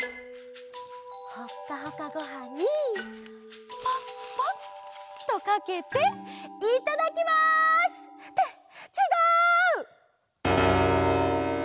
ほっかほかごはんにパッパッとかけていただきます！ってちがう！